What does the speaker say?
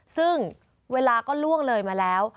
ซึ่งเวลาก็ล่วงเลยมาแล้ว